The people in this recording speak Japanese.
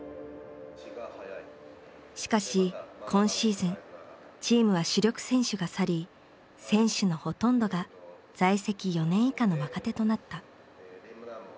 しかし今シーズンチームは主力選手が去り選手のほとんどが在籍４年以下の若手となった。